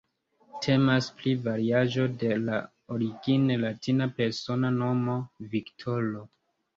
Temas pri variaĵo de la origine latina persona nomo "Viktoro".